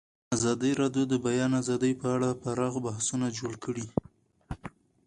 ازادي راډیو د د بیان آزادي په اړه پراخ بحثونه جوړ کړي.